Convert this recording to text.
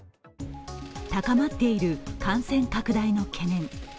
高まっている感染拡大の懸念。